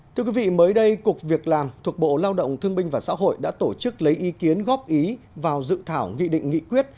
thưa quý vị mới đây cục việc làm thuộc bộ lao động thương binh và xã hội đã tổ chức lấy ý kiến góp ý vào dự thảo nghị định nghị quyết